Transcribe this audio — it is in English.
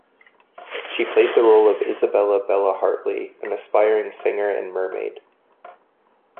She played the role of Isabella 'Bella' Hartley, an aspiring singer and mermaid.